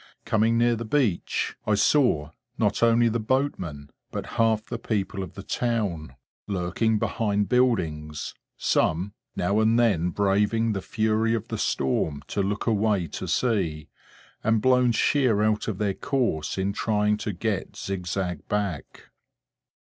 Coming near the beach, I saw, not only the boatmen, but half the people of the town, lurking behind buildings; some, now and then braving the fury of the storm to look away to sea, and blown sheer out of their course in trying to get zigzag back.